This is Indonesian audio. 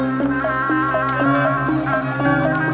tidak ada apa apa